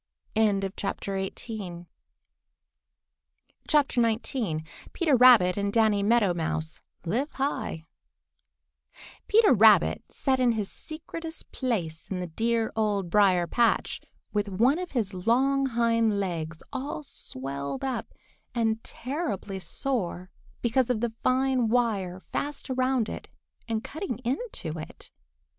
XIX PETER RABBIT AND DANNY MEADOW MOUSE LIVE HIGH PETER RABBIT sat in his secretest place in the dear Old Briar patch with one of his long hind legs all swelled up and terribly sore because of the fine wire fast around it and cutting into it.